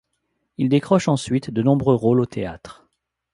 Il décroche ensuite de nombreux rôles au théâtre.